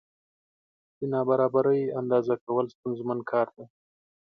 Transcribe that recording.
د نابرابرۍ اندازه کول ستونزمن کار دی.